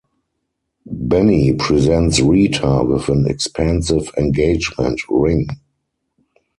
Benny presents Rita with an expensive engagement ring.